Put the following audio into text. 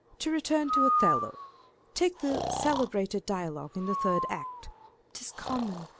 To return to Othello. Take the celebrated dialogue in the third act. " 'Tis common."